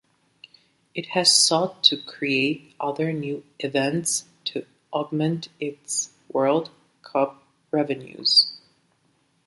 It has sought to create other new events to augment its World Cup revenues.